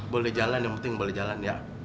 boleh jalan yang penting boleh jalan ya